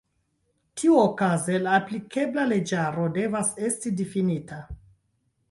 Tiuokaze la aplikebla leĝaro devas esti difinita.